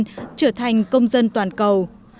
sinh viên trở thành công dân toàn cầu